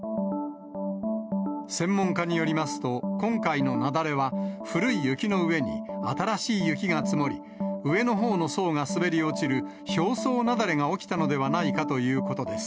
専門家によりますと、今回の雪崩は、古い雪の上に新しい雪が積もり、上のほうの層が滑り落ちる、表層雪崩が起きたのではないかということです。